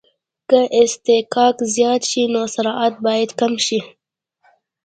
که اصطکاک زیات شي نو سرعت باید کم شي